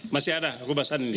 masih ada rubah saan ini